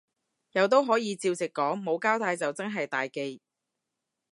有都可以照直講，冇交帶就真係大忌